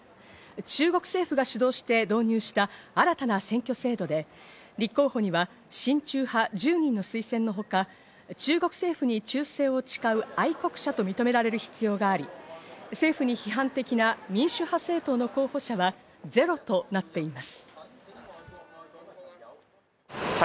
中国政府が主導して導入した新たな選挙制度で、立候補には親中派１０人の推薦のほか、中国政府に忠誠を誓う愛国者と認められる必要があり、政府に批判的な民主派政党の候補者は、ゼロとなっています。